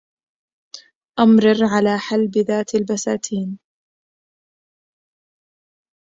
أمرر على حلب ذات البساتين